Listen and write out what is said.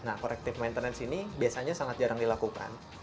nah corrective maintenance ini biasanya sangat jarang dilakukan